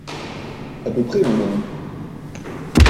À peu près, mon ami